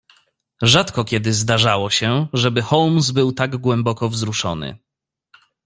"Rzadko kiedy zdarzało się, żeby Holmes był tak głęboko wzruszony."